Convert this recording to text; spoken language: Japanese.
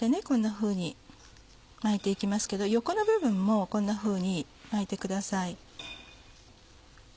こんなふうに巻いて行きますけど横の部分もこんなふうに巻いてください。